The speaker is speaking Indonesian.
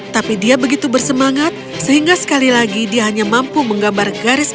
tapi dia begitu bersemangat sehingga sekali lagi dia hanya mampu menggambar garis